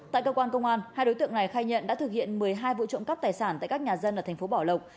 tại cơ quan công an hai đối tượng này khai nhận đã thực hiện một mươi hai vụ trộm cắp tài sản tại các nhà dân ở thành phố bảo lộc